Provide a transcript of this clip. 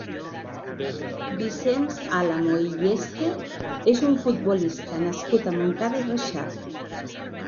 Vicenç Àlamo i Yeste és un futbolista nascut a Montcada i Reixac.